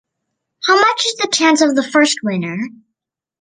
How much is the chance of the first winner?